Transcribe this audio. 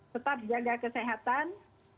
tetap jaga kesehatan